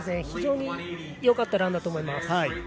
非常によかったランだと思います。